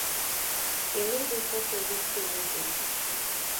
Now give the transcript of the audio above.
Пеледе сото вӱд пеледыш.